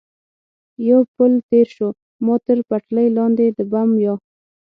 پر پل تېر شو، ما تر پټلۍ لاندې د بم یا.